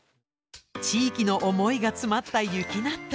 地域の思いが詰まった雪納豆。